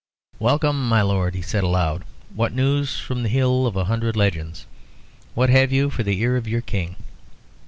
"Welcome, my Lord," he said aloud. "What news from the Hill of a Hundred Legends? What have you for the ear of your King?